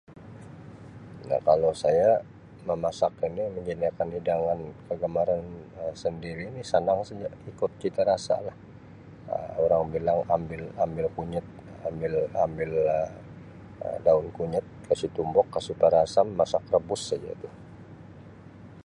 Um Kalau saya memasak ini menyediakan hidangan kegemaran Um sendiri ni senang saja ikut citarasa lah Um orang bilang ambil ambil kunyit ambil ambil Um daun kunyit kasi tumbuk kasi perah asam masak rebus saja itu.